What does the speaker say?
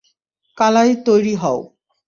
কালাই, তৈরি হও।